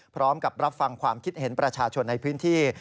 พร้อมกับรับฟังความคิดเห็นประชาชนในพื้นที่